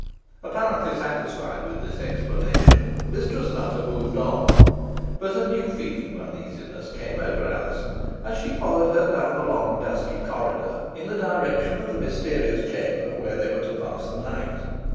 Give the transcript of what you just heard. Apparently satisfied with this explanation, Mistress Nutter moved on; but a new feeling of uneasiness came over Alizon as she followed her down the long dusky corridor, in the direction of the mysterious chamber, where they were to pass the night.